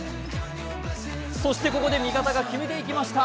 そして、ここで味方が決めていきました。